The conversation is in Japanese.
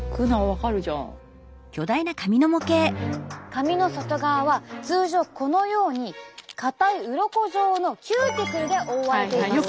髪の外側は通常このように硬いうろこ状のキューティクルで覆われています。